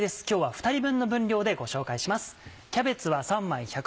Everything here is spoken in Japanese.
今日は２人分の分量でご紹介します。